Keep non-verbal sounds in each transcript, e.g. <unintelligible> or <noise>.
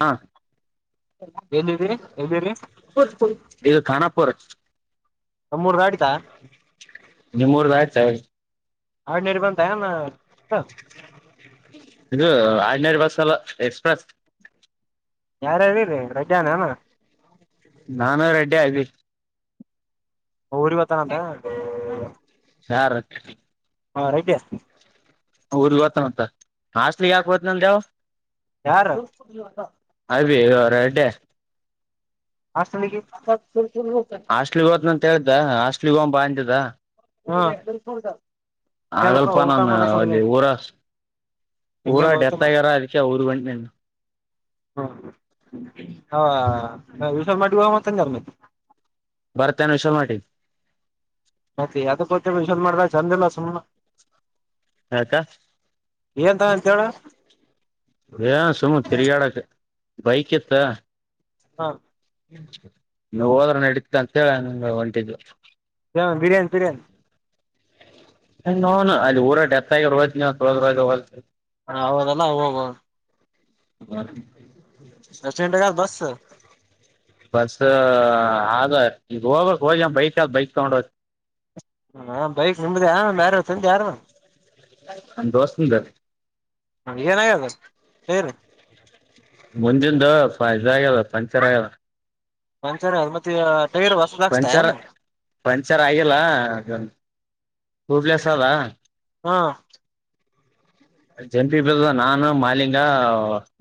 ಹಾ ಎಲ್ಲಿರಿ ಎಲ್ಲಿರಿ <inaudible> ಇದು ಖಾನಾಪುರ್ <inaudible> ನಮ್ಮೂರ್ ದಾಟಿತಾ <inaudible> ನಿ ಮೂರು ದಾಟಿತನ ಆಡ್ನಡಿ ಬಂದಂತಯ ಇದು ಆಡ್ನೇರಿ ಬಸ್ ಅಲ್ಲ ಎಕ್ಸ್ಪ್ರೆಸ್ ಯಾರಾರ ರೀ ರಜಾನನಾ ನಾನು ರೆಡ್ಡಿ ಆದಿ ಊರಿ ಇವತ್ತನಂತ ಯಾರ ಹಾ ರೈಟ್ ಊರ್ ಇತ್ತನಂತ ಹಾಸ್ಲಿ ಯಾಕ ತ್ ನವು ಯಾರ ಐವಿ ಅವರಡ್ಡೆ ಹಷ್ಟತನಗ <inaudible> ಹಾಸ್ಟ್ಲಿ ಇತ್ ಅಂತ ಹೇಳ್ದ ಹಾಸ್ಟ್ಲಿ ಹ ಬ ಅಂತಿದ್ದ ಹಾ ಏನಪ ಆಗಲ್ಪ ಊಟ ನಾನು ಮಾಡೋ ಅಲ್ಲಿ ಸಲುವಾಗಿ ಊರ ಊರಾ ಹೆಂಗೇನ್ ಡೆತ್ ಹೋಯ್ತಲ್ಲ ಆಗ್ಯಾರ ಅದಕ್ಕೆ ಅವರು ಗಂಟೆನೆನು ಹ್ಮ ಹಾ ವಿಸ ಮಾಡ ಮತಾರ <inaudible> ಬರ್ತ್ತನ್ ವಿಷಲ್ ಮಾಡಟಿ ಮತ್ತೆ ಅದ ಗೊತ್ತ ವಿಷದ ಮಾಡ್ದ ಚಂದಿಲ್ಲ ಸುಮ್ಮ ಆತಾ <inaudible> ಎಂತ ಅಂತ ಹೇಳ <inaudible> ಏನ್ ಸುಮ್ ತಿರ್ಗಾಡಕ್ ಬೈಕ್ ಎತ್ತ <inaudible> ಹಾ <inaudible> ಹ್ಚ್ ನೀ ಹೋದ್ರ ನಡತ ಅಂತ ಹೇಳ ನಂಗ ಹೊಂಟಿದ್ದು <inaudible> ಜ ಬಿರಿಯಾನಿ ಬಿರಿಯಾನಿ ನಿಂನೌನ್ ಅಲ್ಲಿ ಊರಾಗ ದೆತ್ತ್ ಅಗಾರೋ <inaudible> ಹ ಹೌದಲ್ಲ ಹೋಗದು ಹ <inaudible> ಬಸ್ಟ್ಯಾಂಡಗ ಬಸ್ <inaudible> ಬಸ್ ಆದದ ಈಗ ಹೋಗಕ್ ಹೋೋಗಮ್ಮ ಬೈಕ್ ಆದದ ಬೈಕ್ ತಗೊಂಡ ಹದ <inaudible> ಬೈಕ್ ನಿಂಬದ ಆ ಮ್ಯಾರ ಚಂದ ಯಾರ ಅ ದೋಸ್ತ ಆದಾರಿ <inaudible> ಹ ನದ ಹೇಳನು <inaudible> ಮುಂದಿಂದ ಪ ಇದಾಗ್ಯಲ್ಲ ಪಂಚರ್ ಆಗ್ಯದಲ್ಲ <inaudible> ನನ್ಸರಿ ಅದು ಮತ್ತೆ ಟೈರ್ ಹೊಸದ ಹಾಕ್ಸ್ತಾ ಪಂಚರ್ ಏನ್ ಪಂಚರ್ ಆಗಿಲ್ಲ ಹೂಬ್ಲೆಸ್ ಅದ <inaudible> ಹಾ <inaudible> ಜಂಪಿ ಬ ನಾನು ಮಾಲಿಂಗ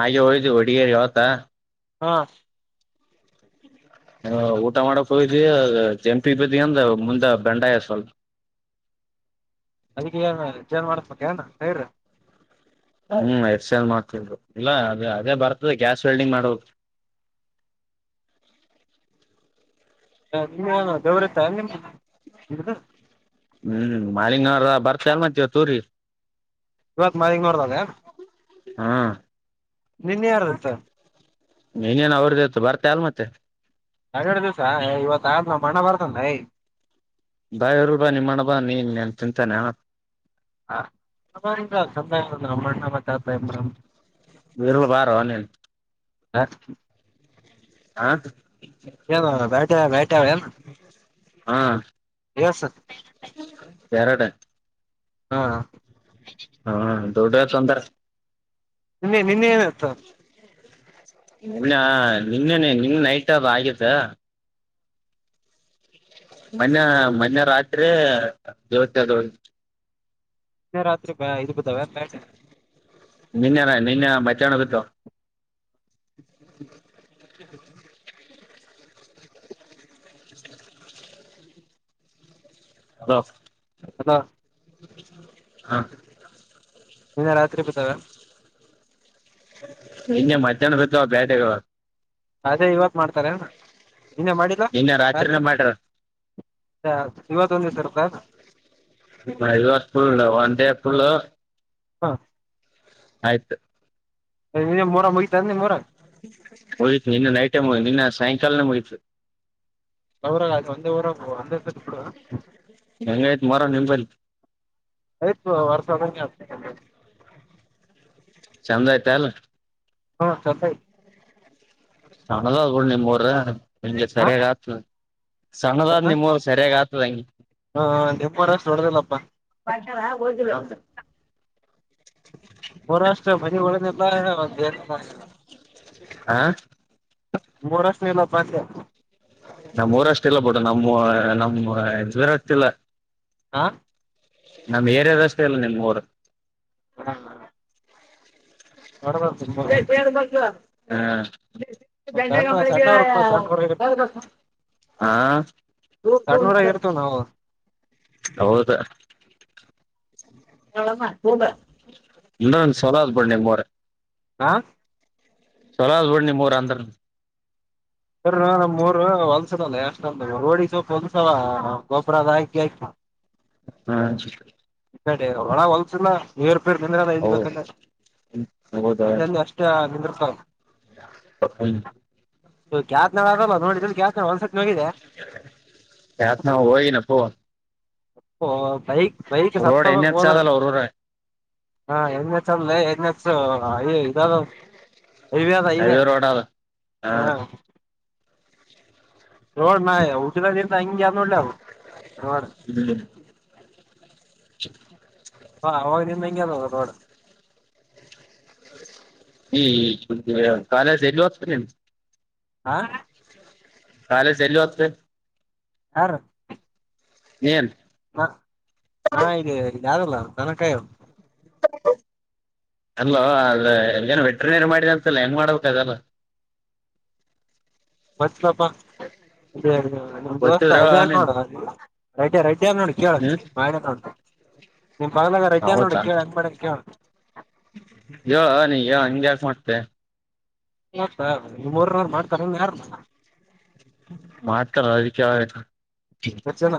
ನಾಗೆ ಹೋಯ್ದ ಹೊಡಗೇರಿ ಅವತ್ತ <inaudible> ಹಾ <inaudible> ಹ ಊಟ ಮಾಡಕ್ ಹೋಗ್ವಿ ಕೆಂಪಿ ಬತಿ ಅಂದ ಮುಂದೆ ಬೆಂಡಾಯ ಸ್ವಲ್ಪ <inaudible> <inaudible> ಏನ್ರ ಸೆರ್ ಹ್ಮ ಎಕ್ಸೆಲ್ ಮಾಡ್ತಿದ್ರು ಇಲ್ಲ ಅದ ಅದೇ ಬರ್ತದೆ ಗ್ಯಾಸ್ ವೆಲ್ಡಿಂಗ್ ಮಾಡೋ <inaudible> <inaudible> ಹ ನಿಮ್ಮ ಗೌರತ ನಿಮ್ಮ ಹ್ಮ್ ಮಾಲಿಂಗನ್ರ ಬರ್ತ ಅಲ್ ಮತ್ತವ ತೂರಿ ಇವತ್ ಮನೆಗ್ ನೋಡದಲ್ಲೆ ಹಾ <inaudible> ನಿನ್ ಯಾರತ್ತ ಇನ್ನೇನ್ ಅವ್ರದ್ದ ಇತ್ತು ಬರ್ತ ಅಲ್ ಮತ್ತೆ ಹರರಡು ದಿವಸ ಇವತ್ ಆದ್ಮ ಮಣ ಬರ್ತನ್ಐ ಬಾಯ ಇರುಲ್ ಬಾ ನಿಮ್ಮಣ ಬಾ ನೀನ್ ನನ್ ತಿಂತಾನೆ ಹ ಚಂದಂದ್ರಣ್ಣ ಮಾತಾತ ಮ್ರ್ ಬರುಲು ಬಾರ ಅವನನು ರಾಿ <inaudible> ಹ ಬ್ಯಾಟಿ ಬ್ಯಾಟಿ ಅವ ಹಾ ಎ ಸ <inaudible> ಎರಡೆ ಹಾ ೌಟ ಸಂದ ನಿನ್ನೆ ನಿನ್ನೆ ಏನತ್ತು ನಿನ್ನ ನಿನ್ನೆನೆ ನಿನ್ ನೈಟ್ಬ ಆಗತ್ತಾ ಮೊನ್ ಮೋನ್ಯ ರಾತ್ರಿ ಜ್ಯೋತಿದ ರಾತ್ರಿ ಬ ಇದು ಬಿದ್ದಾವೇನ್ ಬ್ಯಾಟಿ ನೆನ್ನೆ ನೆನ್ನೆ ಮಧ್ಯ <unintelligible> ಹಲೋ ಹಲೋ ಹಾ ನಿನ್ನೆ ರಾತ್ರಿ ಬಾತವೇ ನೆನ್ನೆ ಮಧ್ಯಾಹ್ನ ಬಿತಾ ಬೇಟೆಗಳು ಅದೇ ಇವಾಗ ಮಾಡ್ತಾರೆ ಅಲ್ಲ ಇನ್ನೇ ಮಾಡಿಲ್ಲ ನಿನ್ನೆ ರಾತ್ರಿನೇ ರೆ ಮಾಡ್ಯಾರ ಇವ ತ ಒಂದ ಸರ್ ಕ ಐದು ವರ್ಷ ಫುಲ್ ಒನ್ ಡೇ ಫುಲ್ ಹಾ ಆಯ್ತು ಮೊರಾ ಮುಗಿತ ನಿಮ್ಮ ಊರ ಮುಗತ್ ನಿನ್ನ ನೈಟ್ ಮುಗ ನಿನ್ನ ಸಾಯಂಕಾಲನೆ ಮುಗಿತು ಅವರಾಗಯ ಒಂದೇ ಊರ ಒಂದೇ ಸತಿ ಬಿಡು ಹೆಂಗಯ್ತ ಮೊರಾ ನಿಂಬಲ್ಲಿ ಆಯ್ತು <unintelligible> ಚಂದ ಆಯ್ತ ಏನ್ ಹಾ ಚೆಂದ ಸಣ್ಣದಾದ ಬಿಡು ನಿಮ್ ಊರ ನಿನಗೆ ಹ ಸರಿಯಾಗಿ ಆಯ್ತು ಸಣ್ಣದಾದ್ ಹ ನಿಮ್ಮರು ಸರಿಯಾಗಿ ಆತದಂಗಗೆ ನಿಮ್ಮೂರಷ್ಟ ಹೊಡದಿಲ್ಲಪ್ಪಾ <unintelligible> ಮಹಾರಾಷ್ಟ್ರಬನ್ನಿ ಹೊಳೆನಪ್ಪ ಹ ಮೂರಷ್ಟ ಇಲ್ಲ ಪಾಸು ನಮ್ಮೂರಷ್ಟ ಇಲ್ಲ ಬಿಟ ನಮ್ಮ ನಮ್ಮ ಇದುರಾಸ್ಟು ಇಲ್ಲ ಹಾ ನಮ್ ಏರಿಯದಷ್ಟು ಇಲ್ಲ ನಿಮ್ಮ್ ಊರು ಹ ಹ ಸಣ್ಣ ಸಣ್ಣವ್ರಪ್ಪ ಸಣ್ಣೂರಾಗ <unintelligible> ಹಾ ಸಣ್ಣೂರಾಗ ಇರ್ತವ ನಾವು ಹೌದು ಇಲ್ಲ ಚಲೋ ಅದೇ ಬಿಡು ನಿಮ್ಮ ಊರು ಹಾ ಚಲೋ ಆದ ನಿಮ್ ಊರು ಅಂದೇ ನಮ್ ಮೂರು ಹೊಲ್ಸದಲ್ಲ ಎಷ್ಟ ಅಂದ ರೊಡಿ ಈಗ ಸ್ವಲ್ಪ ಹೊಲ್ಸವ ಗೊಬರ ಅದ ಆಕಿ ಆಾಕಿ ಹಾ ಒಣ ಹೊಲ್ಸ ಇಲ್ಲ ಹೌದ <unintelligible> ಅಲ್ಲಂದ ಅಷ್ಟ ನಿಂದಿರ್ತಾವ ಹ್ಮ್ ಕ್ಯಾತ್ ನ ಆಗ ನೋಡಿದ್ರಲ್ಲಿ ಕ್ಯಾತ್ ನ ಒಂದ್ಸತ್ ಹೋಗಿದ್ಯಾ ಕ್ಯಾತ್ನಾ ಹೋಗಿದ್ನಪ್ಪೋ ಹೋ ಬೈಕ್ ಬೈಕ್ ರೋಡ್ ಸತ್ತೋದರ ಎನ್ ಎಚ್ ಹೋದವರು ಅದಲ್ಲ ಅವ್ರ ಊರ ಹಾ ಎನ್ ಹೆಚ್ ಅಲ್ಲ ಹೆಡ್ ಮಾಸ್ಟರ್ ಅಲ್ಲೇ ಇದಲ್ಲ ಹೈವೇ ಆದ ಹೈವೇ ರೋಡ್ ಅದ ಹಾ ನೋಡ್ನ ನಾನು ಹುಟ್ಟಿದಾಗಿಂದ ಹಾಗೆ ಆದ ಹ್ಮ್ ಆವಾಗ್ಲಿಂದ ಹಿಂಗೆ ಅದಾವ ರೋಡ್ <inaudible> ಈ <unintelligible> ಕಾಲೇಜ್ ಎಲ್ಲಿ ಹೋಗ್ತರಿ ನಿವು ಹಾ ಕಾಲೇಜ್ ಎಲ್ಲಿ ಒದ್ದೆ ಯಾರು ಏನ್ ಹಾ ಇಲ್ಲಿ <unintelligible> ದನ ಕಾಯೋನು ಅಲ್ಲೋ ಅದ ಅಲ್ಲೇನೋ ವೆಟ್ರನರಿ ಮಾಡಿ ಅಂತಲ್ಲ ಏನ್ ಮಾಡಬೇಕ್ ಅದಲ್ಲ <inaudible> ಮತ್ತಪ <unintelligible> <unintelligible> ನಮ ದೋಸ್ತ ಗೊತ್ತಿದ್ರ ಹೇಳ ಅ ನೀನ್ ನೋಡುವ ರೈ ರೈಟ್ ಕೇಳ್ ನೋಡು ಕೇಳು ಕೇಳ ಹ್ಮ್ ಮಾಡುತ್ತಾನ್ ನೀನ್ ಪಾರ್ಲರ್ರ್ ಇದ್ದಾನ ನೋಡು ಕೇಳು ಎಂಗ್ ಮಾಡೋದು ಕೇಳು ಹೇಳೋ ಹೇಳು ಹಂಗ್ ಯಾಕ ಮಾಡ್ತೆ ಆ ನಿಮ್ಮ ಊರ್ ನವ್ರು ಮಾಡ್ತಾರ ಇನ್ ಯಾರು ಮಾಡ್ಕಳ ಅದಿಕ್ಕೆ ಆಯ್ತು ಎಷ್ಟ್ ಜನ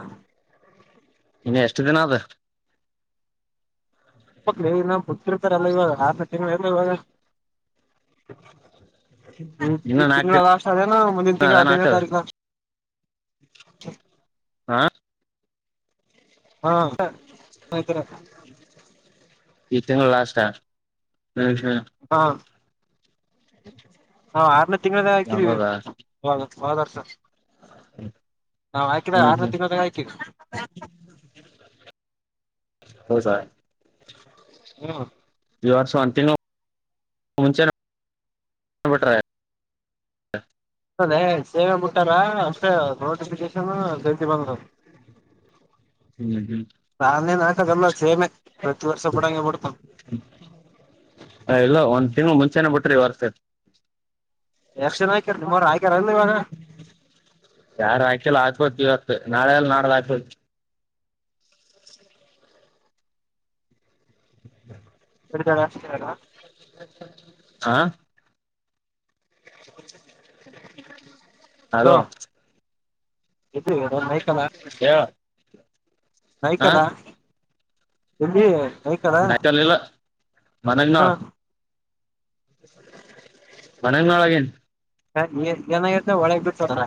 ಇನ್ ಎಷ್ಟ ದಿನ ಅದ ಅಕ್ <unintelligible> ಬತ್ತಿರ್ತಾರಲ್ಲ ಇವು ಆರ್ನೇ ತಿಂಗಳು ಎಲ್ಲ ಹೋಗೆ <inaudible> ಹ್ಮ ಇನ್ನು ಈ ನಾಲ್ಕು ತಿಂಗಳ ಲಾಸ್ಟ್ ಅದೇನ ಮುಂದಿನ ತಿಂಗಳ ಹದಿನೈನೇ ತಾರೀಕ್ ಲಾಸ್ಟ ಹಾ ಹಾ <unintelligible> ಈ ತಿಂಗಳು ಲಾಸ್ಟಾ ಹ್ಮ ಹ್ಮ ಹಾ ಆರ್ನೇ ತಿಂಗಳ ಹಾಕಿದಿವಿ ಯಾವ್ದದ ಹೋದ್ ವರ್ಷ ನಾ ಆಯ್ಕಿದಾಗ ಹ್ಮ್ ಆರನೇ ಹ್ಮ್ ತಿಂಗಳಾದಗ ಹಾಕಿನ್ ಹೌದ ಹ್ಮ್ ಈ ವರ್ಷ ಒಂತಿಂಗ್ಳು ಮುಂಚೆನೆ <inaudible> ಅದ ಸೇವೆ ಮುಟ್ಟಾರ ಅಷ್ಟೇ ನೋಟಿಫಿಕೇಶನ್ <unintelligible> ಬಂದ್ರು ಹ್ಮ್ ಹ್ಮ್ ನಾ ನಿನ್ ಆಟ ಸೇಮೆ ಪ್ರತಿ ವರ್ಷ <unintelligible> ಹೇ ಇಲ್ಲ ಒಂದು ತಿಂಗಳು ಮುಂಚೆನೆ ಬಿಟ್ರು ಈ ವರ್ಷ ಎಷ್ಟ ಜನ ಆಕಿರ್ ನಿಮಾರ ಆಕ್ಯರಲ್ ಇವಾಗ ಯಾರು ಹಾಕಿಲ್ಲ ಹಾಕ್ಬೋತಿ ಇವತ್ತು ನಾಳೆಲ್ಲ ನಾಡ್ದ ಹಾಕ್ಬೋ <inaudible> ಬಿಡಿದಡ ಅಷ್ಟೇ ಅಲ್ಲ ಹಾ ಹಲೋ ಹೇಳ <unintelligible> ಹ ನಯ್ಕಲ್ಲ ಎಲ್ಲಿ ನೈಕಲ ಹ <unintelligible> ಮನೆಗ್ನೋಳಗಿನ್ <unintelligible> ಒಳಗ್ ಬಿಟ್ಟ್ರ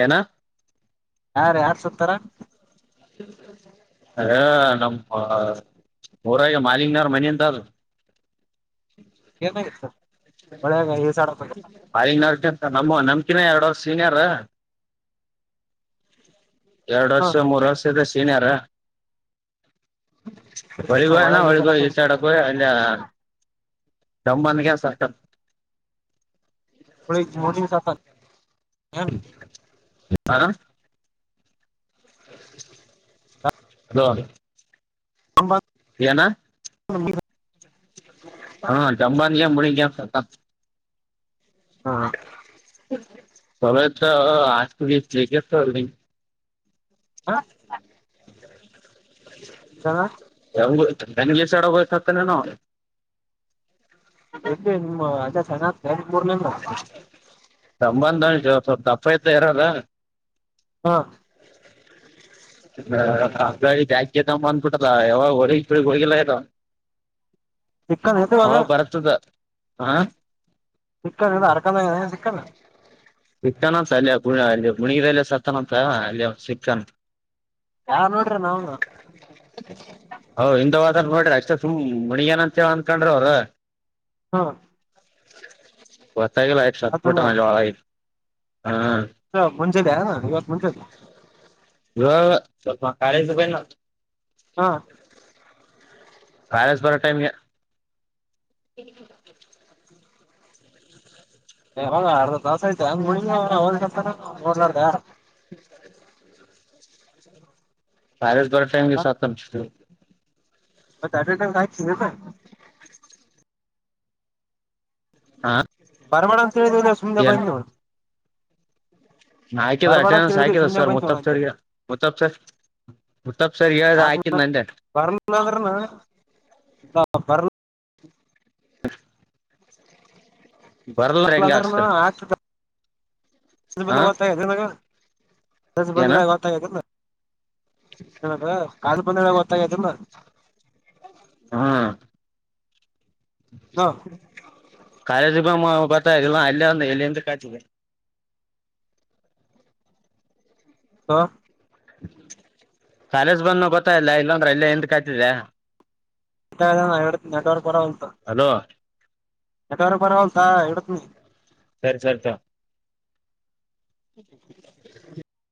ಏನ ಯಾರ್ ಯಾರ್ ಸತಾರ ಅದೇ ನಮ್ಮ ಊರಾಗೆ ಮಾಲಿಗ್ನಾರ ಮನೆ ಅನ್ತಾದು ಏನಾಗಿತ್ತು ಸರ್ ಹಾಲ ನಂತ ನಮ್ಮ ನಮ್ಕಿನ ಎರಡ್ ವರ್ಷ ಸೀನಿಯರ್ ಎರಡ್ ಹ ವರ್ಷ ಮೂರ್ ವರ್ಷ ಇದೆ ಸೀನಿಯರ ಒಳಗ ಹೊಳಗೋಯನಾ ಈಸಾಡಕ್ ಹೊಳಿಗೋಯ್ ಹೋಗಿದ್ದೆ ಇಸಡಕ್ಕೆ ಅಲ್ಲಿ ತಂಬನ್ಗೆ ಸ್ಟೆಪ್ <unintelligible> ಆ ಹಲೋ <unintelligible> ಏನಾ <unintelligible> ಹಾ ದಮ್ಬಗಿನ ಮುಳುಗಿ ಎದ್ದ ಸತ್ತಾನ್ ಹಾ <unintelligible> ಹಾ <unintelligible> <unintelligible> ಎಲ್ಲಿ ನಿಮ್ ಅದ ಸಣ್ಣ ಅತ್ತೆ ಸಂಬಂಧ ಸ್ವಲ್ ತಪ್ಪಐತ ಇರಲ್ಲ ಏನ್ ಹಾ ಇನ್ನ ಬ್ಯಾಸಗಿ ಬಂದಬಿತ್ದಾದ ಯಾವಾಗ ಹೊಳ ಗ ಪೀಳಿಗ ಹೋಗಿಲ್ಲ ಏನು <unintelligible> ಹಾ ಸಿಕ್ಕದ ಏನ್ ಹರಕಂದ ಹೋಗ್ಯದ ಏನ್ ಸಿಕ್ಕದ ಸಿಗ್ತಾನಂತ ಅಲ್ಲಿ ಗುಳ್ಳೆ ಅಲ್ಲಿ ಮುಳುಗಿದಲೇ ಸತ್ತನಂತ ಅಲ್ಲಿಯ ಸಿಗ್ತಾನ್ ಯಾರ ನೋಡ್ರಿ ಅವ್ನ್ ಅದ ನೋಡ್ರಿ ಅಷ್ಟ ಸುಮ ಮುನುಗ್ಯಾನ್ ಏಳ ಅಂತ ಅನ್ಕೊಂಡ್ರ ಅವರ ಹಾ ಟ್ಯಾಗೋಲಾಗಿ ಸತ್ತಬಿಟ್ಟನ್ ಅಲ್ಲೇ ವೋಲಗ ಮುಂಜ್ಯನ್ ಏನ್ ಇವತ್ ಮುಂಜಾಯಲ್ <unintelligible> ಹಾ ಕಾಲೇಜ್ ಹೋಗೋ ಟೈಮ್ ಗೆ <unintelligible> ಅರ್ಧ ದಾಸ ಐತೆ ಹಂಗ ಮುಳುಗಿ <unintelligible> <unintelligible> ಕಾಲೇಜ್ ಬರೋ ಟೈಮ್ ದಾಗ ಸತ್ತನು ಸಿದ್ದು <unintelligible> ಹಾ ಬರಬೇಡ ಅಂತ ಹೇಳಿದ ಸುಮನೆ ಬಂದ್ ಇವ್ನು ನಾ ಹಾಕಿದ ಅಟೆಂಡನ್ಸ್ ಹೇಳಿದ್ವಿ ಹಾಕಿದ್ ಸುಮ್ನೆ ಸರ್ ಮೂತ್ತಪ್ ಸರ್ ಗೆ ಮೂತ್ತಪ್ ಸರ್ ಹೇಳ್ದ ಆ ಹಾಕಿದ್ ನಂದೆ ಬರಲಿಲ್ಲ ಅಂದ್ರು ನು <unintelligible> <inaudible> ಬರ್ಲ್ದೂರ ಹೆಂಗೆ ಅಂದ್ರನ ಹಾಕ್ತಾರೆ ಆಗ್ತದ ಏನ <unintelligible> ಕಾಲು ಬಂದ ಒಳಾಗ ಗೊತ್ತಾಗೇಟ್ ಏನ್ ಹ್ಮ್ ಕಾಲೇಜ್ ಬತಾ ಇಲ್ಲ ಅಲ್ಲೇ ಒಂದು ಎಲ್ಲಿಂತ ಕಾಯ್ತಿದೆ ಹಾ ಕಾಲೇಜ್ ಬಂದ ಮೇಲೆ ಗೊತ್ತ ಆಗ್ಯದ ಲೆ ಇಲ್ಲ ಇಲ್ಲಾಂದ್ರೆ ಅಲ್ಲೆ ಹಿಂದಕ್ ಆಯ್ತಿದೆ ಇ ನೆಟ್ವರ್ಕ್ ಬರವಲ್ತಾ ಹಲೋ ನೆಟ್ವರ್ಕ್ ಬರವಲ್ತಾ ಇಡ್ತೆನ್ ಸರಿ ಸರಿ ಸ <inaudible>